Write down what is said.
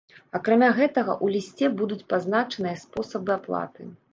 Акрамя гэтага, у лісце будуць пазначаныя спосабы аплаты.